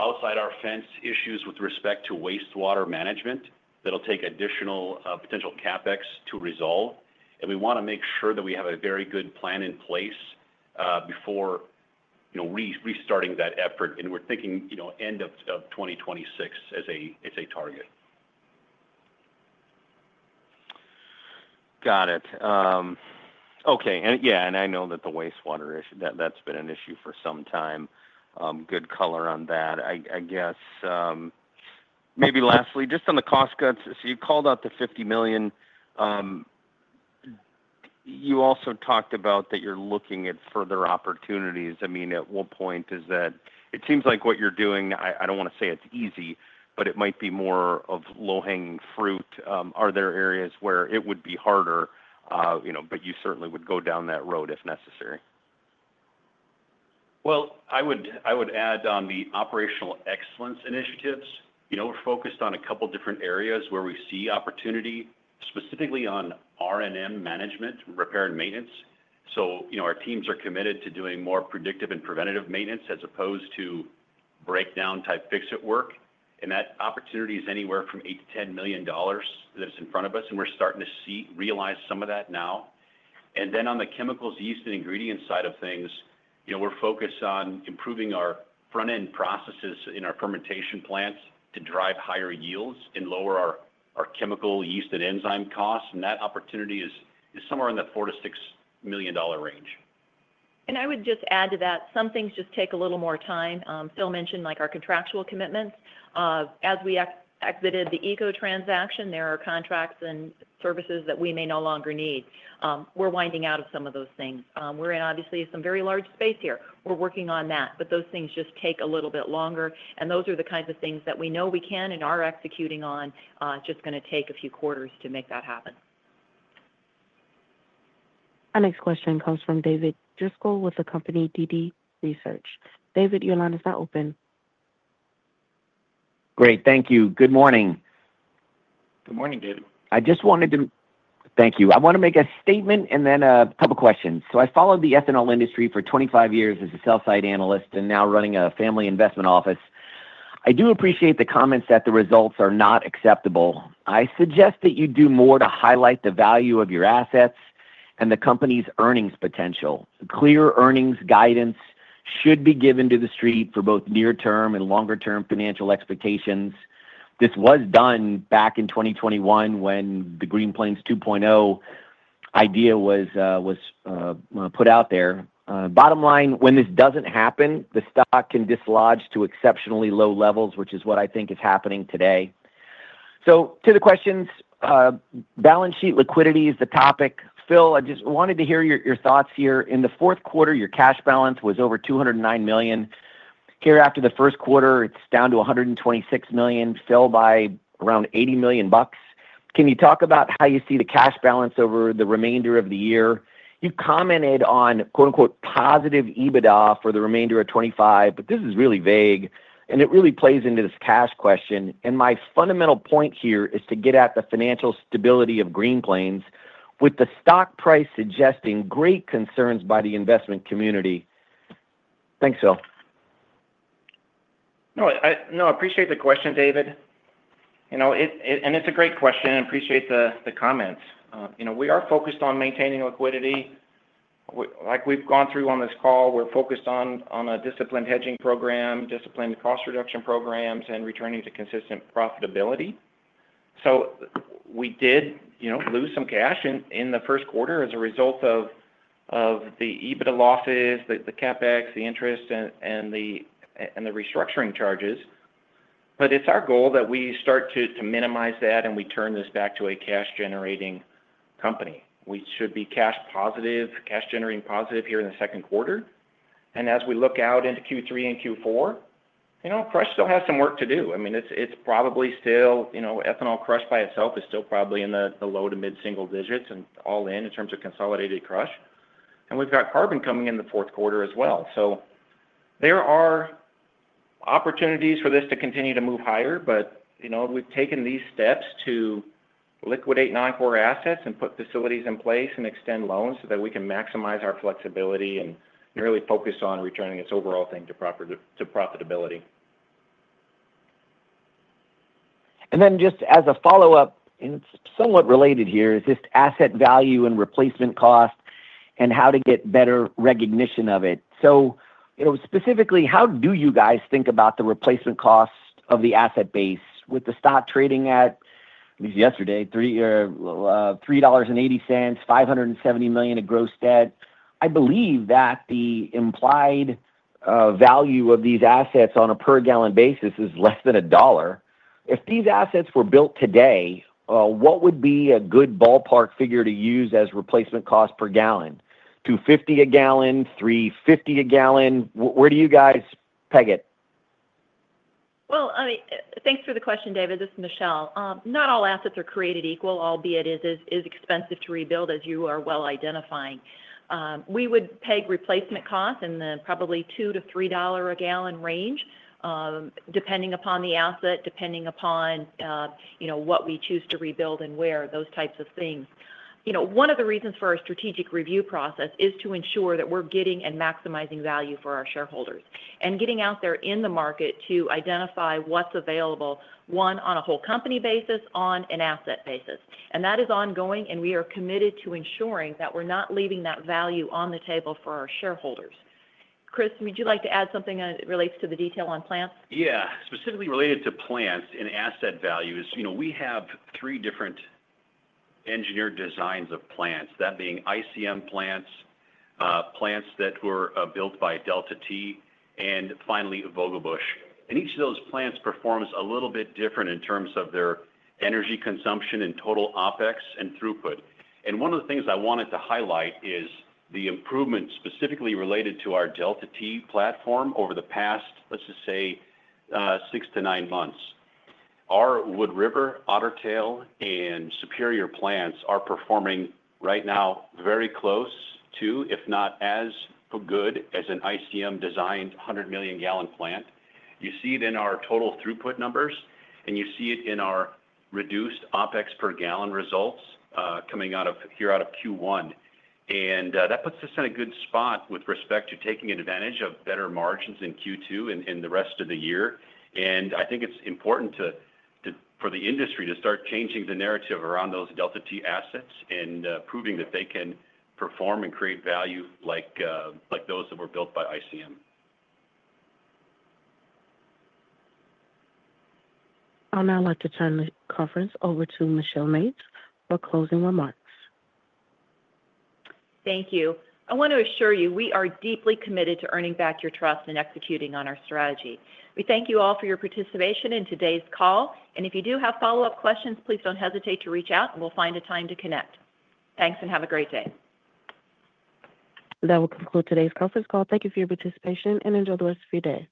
outside our fence issues with respect to wastewater management that'll take additional potential CapEx to resolve. We want to make sure that we have a very good plan in place before, you know, restarting that effort. We are thinking, you know, end of 2026 as a target. Got it. Okay. Yeah, and I know that the wastewater issue, that's been an issue for some time. Good color on that. I guess maybe lastly, just on the cost cuts, you called out the $50 million. You also talked about that you're looking at further opportunities. I mean, at what point is that? It seems like what you're doing, I don't want to say it's easy, but it might be more of low-hanging fruit. Are there areas where it would be harder, you know, but you certainly would go down that road if necessary? I would add on the operational excellence initiatives. You know, we're focused on a couple of different areas where we see opportunity, specifically on R&M management, repair and maintenance. You know, our teams are committed to doing more predictive and preventative maintenance as opposed to breakdown-type fix-it work. That opportunity is anywhere from $8 million-$10 million that's in front of us. We're starting to see, realize some of that now. On the chemicals, yeast, and ingredients side of things, you know, we're focused on improving our front-end processes in our fermentation plants to drive higher yields and lower our chemical, yeast, and enzyme costs. That opportunity is somewhere in the $4 million-$6 million range. I would just add to that, some things just take a little more time. Phil mentioned like our contractual commitments. As we exited the EcoEnergy transaction, there are contracts and services that we may no longer need. We're winding out of some of those things. We're in obviously some very large space here. We're working on that. Those things just take a little bit longer. Those are the kinds of things that we know we can and are executing on, just going to take a few quarters to make that happen. Next question comes from David Driscoll with the company DD Research. David, your line is now open. Great. Thank you. Good morning. Good morning, David. I just wanted to thank you. I want to make a statement and then a couple of questions. I followed the ethanol industry for 25 years as a sell-side analyst and now running a family investment office. I do appreciate the comments that the results are not acceptable. I suggest that you do more to highlight the value of your assets and the company's earnings potential. Clear earnings guidance should be given to the street for both near-term and longer-term financial expectations. This was done back in 2021 when the Green Plains 2.0 idea was put out there. Bottom line, when this does not happen, the stock can dislodge to exceptionally low levels, which is what I think is happening today. To the questions, balance sheet liquidity is the topic. Phil, I just wanted to hear your thoughts here. In the fourth quarter, your cash balance was over $209 million. Here after the first quarter, it's down to $126 million, fell by around $80 million bucks. Can you talk about how you see the cash balance over the remainder of the year? You commented on "positive EBITDA for the remainder of 2025," but this is really vague. It really plays into this cash question. My fundamental point here is to get at the financial stability of Green Plains with the stock price suggesting great concerns by the investment community. Thanks, Phil. No, I appreciate the question, David. You know, and it's a great question. I appreciate the comments. You know, we are focused on maintaining liquidity. Like we've gone through on this call, we're focused on a disciplined hedging program, disciplined cost reduction programs, and returning to consistent profitability. We did, you know, lose some cash in the first quarter as a result of the EBITDA losses, the CapEx, the interest, and the restructuring charges. It is our goal that we start to minimize that and we turn this back to a cash-generating company. We should be cash positive, cash-generating positive here in the second quarter. As we look out into Q3 and Q4, you know, crush still has some work to do. I mean, it's probably still, you know, ethanol crush by itself is still probably in the low to mid-single digits, and all in in terms of consolidated crush. We have carbon coming in the fourth quarter as well. There are opportunities for this to continue to move higher. You know, we've taken these steps to liquidate non-core assets and put facilities in place and extend loans so that we can maximize our flexibility and really focus on returning this overall thing to profitability. Just as a follow-up, and it's somewhat related here, is this asset value and replacement cost and how to get better recognition of it. You know, specifically, how do you guys think about the replacement costs of the asset base with the stock trading at, I think it was yesterday, $3.80, $570 million of gross debt? I believe that the implied value of these assets on a per gal basis is less than a dollar. If these assets were built today, what would be a good ballpark figure to use as replacement cost per gal? $2.50 a gal, $3.50 a gal? Where do you guys peg it? Thanks for the question, David. This is Michelle. Not all assets are created equal, albeit it is expensive to rebuild, as you are well identifying. We would peg replacement costs in the probably $2-$3 a gal range, depending upon the asset, depending upon, you know, what we choose to rebuild and where, those types of things. You know, one of the reasons for our strategic review process is to ensure that we are getting and maximizing value for our shareholders and getting out there in the market to identify what is available, one, on a whole company basis, on an asset basis. That is ongoing. We are committed to ensuring that we are not leaving that value on the table for our shareholders. Chris, would you like to add something that relates to the detail on plants? Yeah. Specifically related to plants and asset value is, you know, we have three different engineered designs of plants, that being ICM plants, plants that were built by Delta-T, and finally Vogelbusch. Each of those plants performs a little bit different in terms of their energy consumption and total OPEX and throughput. One of the things I wanted to highlight is the improvement specifically related to our Delta-T platform over the past, let's just say, six to nine months. Our Wood River, Otter Tail, and Superior plants are performing right now very close to, if not as good as, an ICM-designed 100 million gal plant. You see it in our total throughput numbers, and you see it in our reduced OPEX per gal results coming out of here out of Q1. That puts us in a good spot with respect to taking advantage of better margins in Q2 and the rest of the year. I think it's important for the industry to start changing the narrative around those Delta-T assets and proving that they can perform and create value like those that were built by ICM. I'd now like to turn the conference over to Michelle Mapes for closing remarks. Thank you. I want to assure you, we are deeply committed to earning back your trust and executing on our strategy. We thank you all for your participation in today's call. If you do have follow-up questions, please do not hesitate to reach out, and we will find a time to connect. Thanks and have a great day. That will conclude today's conference call. Thank you for your participation and enjoy the rest of your day.